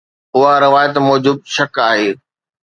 اها روايت موجب شڪ آهي